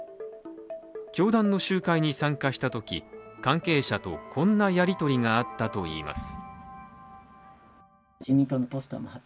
教団の集会に参加したとき関係者とこんなやり取りがあったといいます。